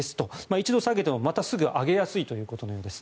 一度、下げてもまた上げやすいということです。